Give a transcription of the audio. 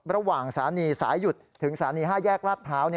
ระหว่างสาณีสายหยุดถึงสาณี๕แยกลาดพร้าว